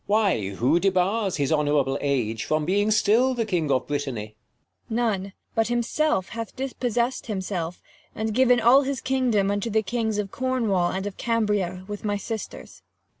King. Why, who debars his honourable age, 6^ From being still the king of Brittany ?> Cor. None, but himself hath dispossess'd himself, "^ And given all his kingdom to the kings Of Cornwall and of Cambria, with my sisters.